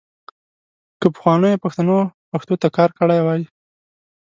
که پخوانیو پښتنو پښتو ته کار کړی وای .